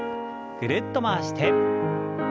ぐるっと回して。